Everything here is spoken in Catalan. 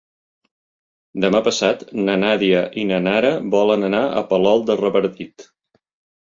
Demà passat na Nàdia i na Nara volen anar a Palol de Revardit.